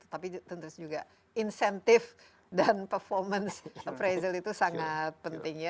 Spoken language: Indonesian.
tapi tentu juga insentif dan performance appraisal itu sangat penting ya